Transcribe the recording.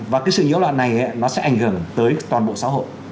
và cái sự nhiễu loạn này nó sẽ ảnh hưởng tới toàn bộ xã hội